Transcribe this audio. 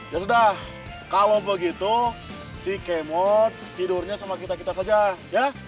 ya sudah kalau begitu si kemo tidurnya sama kita kita saja ya